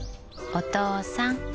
お父さん。